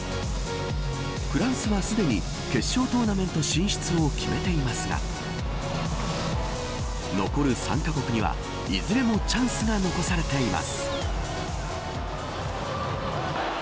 フランスはすでに決勝トーナメント進出を決めていますが残る３カ国にはいずれもチャンスが残されています。